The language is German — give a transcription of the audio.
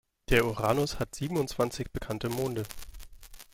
Der Uranus hat siebenundzwanzig bekannte Monde.